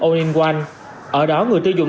all in one ở đó người tiêu dùng